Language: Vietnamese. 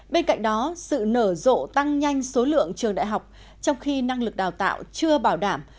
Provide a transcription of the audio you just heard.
bên cạnh đó sự nở rộ tăng nhanh số lượng trường đại học trong khi năng lực đào tạo chưa bảo đảm